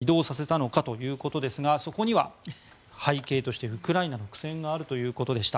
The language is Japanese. では、なぜそもそもプーチン大統領は移動させたのかということですがそこには背景としてウクライナの苦戦があるということでした。